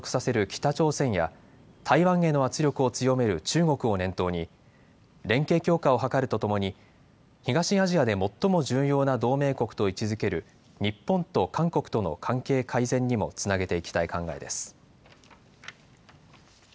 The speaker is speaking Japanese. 北朝鮮や台湾への圧力を強める中国を念頭に連携強化を図るとともに東アジアで最も重要な同盟国と位置づける日本と韓国との関係改善にもつなげていきたい考えです。